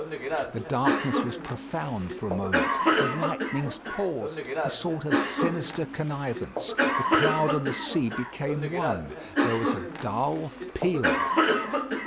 The darkness was profound for a moment: the lightnings paused a sort of sinister connivance. The cloud and the sea became one: there was a dull peal.